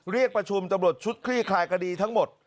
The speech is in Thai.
เรียกประชุมตำรวจชุดคลี่คลายคดีทั้งหมด